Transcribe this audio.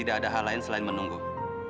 selesai jatuh saat punggung